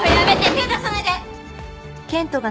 手出さないで！